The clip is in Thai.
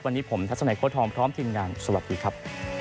วันนี้ผมทัศนัยโค้ทองพร้อมทีมงานสวัสดีครับ